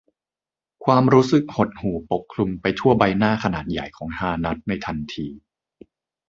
ความรู้สึกหดหู่ปกคลุมไปทั่วใบหน้าขนาดใหญ่ของฮานัดในทันที